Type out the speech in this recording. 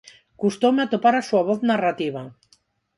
Custoume atopar a súa voz narrativa.